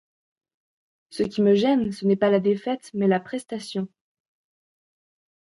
Ce qui me gène ce n'est pas la défaite mais la prestation.